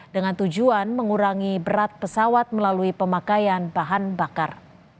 dengan tujuan mengurangi berat pesawat melalui pemakaian bahan bakar